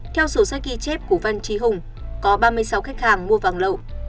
theo sổ sách ghi chép của văn trí hùng có ba mươi sáu khách hàng mua vàng lậu